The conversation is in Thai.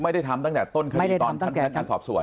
ไม่ได้ทำตั้งแต่ต้นคดีตอนพนักงานสอบสวน